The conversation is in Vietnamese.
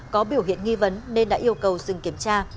có biểu hiện nghi vấn nên đã yêu cầu dừng kiểm tra